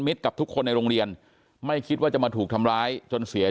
กับทุกคนในโรงเรียนไม่คิดว่าจะมาถูกทำร้ายจนเสีย